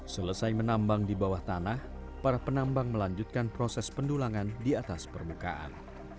selesai menambang di bawah tanah para penambang melanjutkan proses pendulangan di atas permukaan